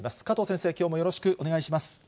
加藤先生、きょうもよろしくお願いします。